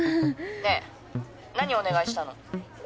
ねぇ何お願いしたの？